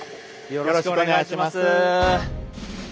よろしくお願いします。